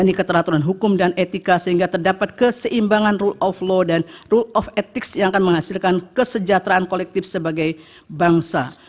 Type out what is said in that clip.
ini keteraturan hukum dan etika sehingga terdapat keseimbangan rule of law dan rule of ethics yang akan menghasilkan kesejahteraan kolektif sebagai bangsa